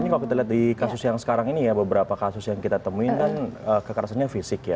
ini kalau kita lihat di kasus yang sekarang ini ya beberapa kasus yang kita temuin kan kekerasannya fisik ya